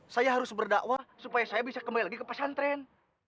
saya harus berdakwah supaya saya bisa kembali lagi ke pesantren